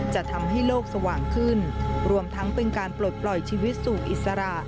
จะทำให้โลกสว่างขึ้นรวมทั้งเป็นการปลดปล่อยชีวิตสู่อิสระ